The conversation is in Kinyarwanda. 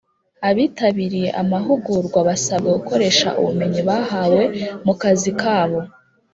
Abitabiriye amahugurwa basabwe gukoresha ubumenyi bahawe mu kazi kabo